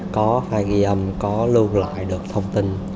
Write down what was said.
có hai ghi âm có lưu lại được thông tin